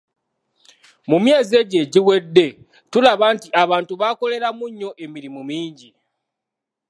Mu myezi egyo egiwedde tulaba nti abantu bakoleramu nnyo emirimu mingi.